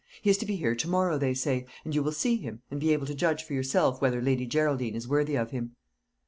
He is to be here to morrow, they say; and you will see him, and be able to judge for yourself whether Lady Geraldine is worthy of him."